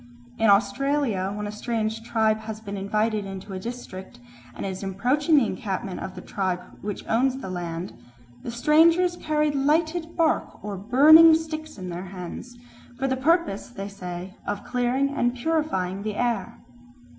In Australia, when a strange tribe has been invited into a district and is approaching the encampment of the tribe which owns the land, "the strangers carry lighted bark or burning sticks in their hands, for the purpose, they say, of clearing and purifying the air."